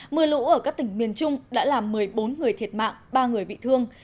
mưa lũ ở các tỉnh miền trung đã làm một mươi bốn người thiệt mạng ba người bị thương